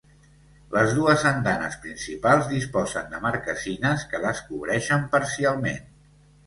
Les dues andanes principals disposen de marquesines que les cobreixen parcialment.